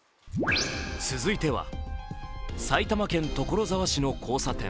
続いては、埼玉県所沢市の交差点。